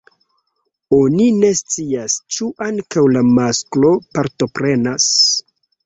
Oni ne scias ĉu ankaŭ la masklo partoprenas.